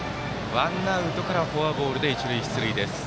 ワンアウトからフォアボールで一塁に出塁です。